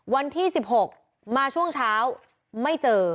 วันที่๑๖มาช่วงเช้าไม่เจอ